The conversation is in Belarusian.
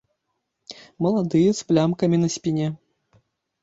Маладыя з плямкамі на спіне.